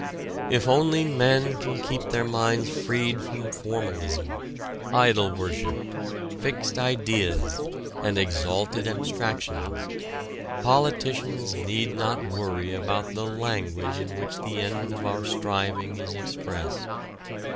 If only men can keep their minds freed from formalism, idol worship, fixed ideas, and exalted abstractions, politicians need not worry about the language in which the end of our striving is expressed.